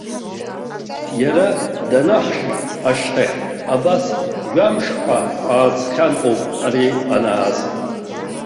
Иара данаҳж ашьҭахь, абас жәамшҟа ааҵхьан ауп ари анааз.